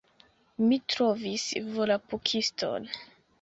Mi trovis Volapukiston!